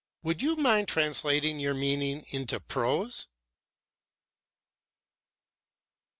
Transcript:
Would you mind translating your meaning into prose?"